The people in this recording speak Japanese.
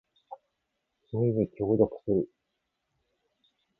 君に協力する